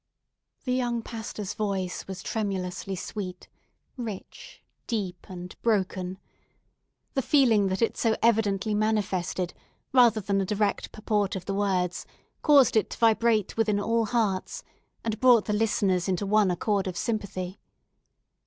The young pastor's voice was tremulously sweet, rich, deep, and broken. The feeling that it so evidently manifested, rather than the direct purport of the words, caused it to vibrate within all hearts, and brought the listeners into one accord of sympathy.